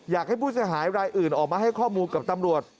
อยากให้ผู้เสียหายรายอื่นออกมาให้ข้อมูลกับตำรวจ